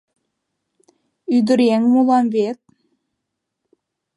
Ӱдыръеҥ улам вет...